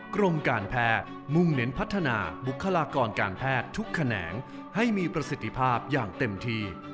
กรมการแพทย์มุ่งเน้นพัฒนาบุคลากรการแพทย์ทุกแขนงให้มีประสิทธิภาพอย่างเต็มที่